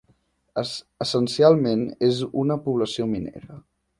Essencialment és una població minera.